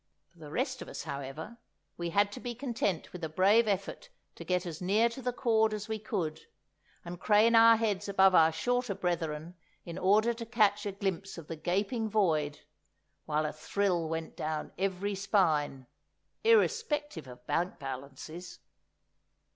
For the rest of us, however, we had to be content with a brave effort to get as near to the cord as we could, and crane our heads above our shorter brethren in order to catch a glimpse of the gaping void, while a thrill went down every spine, irrespective of bank balances.